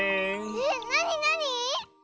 えっなになに？